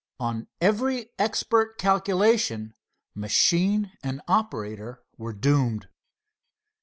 On every expert calculation, machine and operator were doomed.